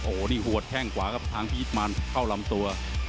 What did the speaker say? โอ้นี่หัวแข้งกว่าครับทางพี่อิทมานเข้าลำตัว